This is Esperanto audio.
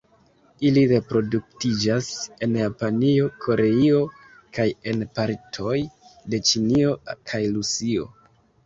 Ili reproduktiĝas en Japanio, Koreio kaj en partoj de Ĉinio kaj Rusio.